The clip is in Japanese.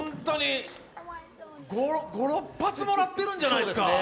５６発もらってるんじゃないですか？